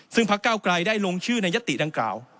ซึ่งพักเก้าไกลได้ลงชื่อในยติดังกล่าว